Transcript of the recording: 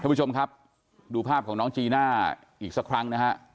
ผู้ชมครับดูภาพของน้องจีน่าอีกสักครั้งนะฮะ